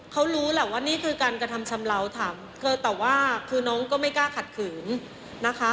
เขารู้แหละว่านี่คือการกระทำชำเลาถามเธอแต่ว่าคือน้องก็ไม่กล้าขัดขืนนะคะ